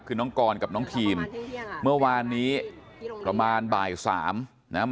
คือน้องกรกับน้องทีมเมื่อวานนี้ประมาณบ่ายสามนะฮะ